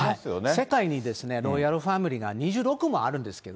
世界にロイヤルファミリーが２６もあるんですけど。